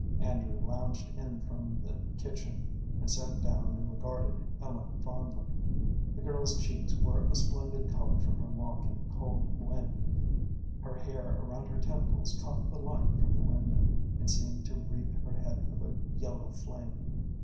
Andrew lounged in from the kitchen and sat down and regarded Ellen fondly. The girl's cheeks were a splendid color from her walk in the cold wind, her hair around her temples caught the light from the window, and seemed to wreathe her head with a yellow flame.